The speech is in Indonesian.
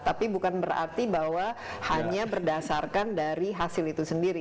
tapi bukan berarti bahwa hanya berdasarkan dari hasil itu sendiri